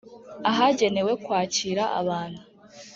ahagenewe kwakira abantu